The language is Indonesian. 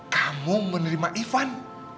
kamu menerima ivan